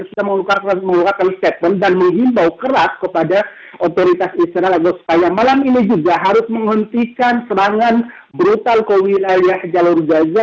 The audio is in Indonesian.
sudah mengeluarkan statement dan menghimbau keras kepada otoritas israel agar supaya malam ini juga harus menghentikan serangan brutal ke wilayah jalur gaza